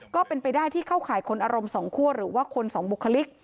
ก็เป็นไปได้ที่เข้าข่ายคนอารมณ์สองคั่วหรือว่าคนสองบุคลิก